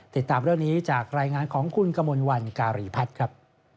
ติดตามเรื่องนี้จากรายงานของคุณกมลวันการีพัฒน์ครับ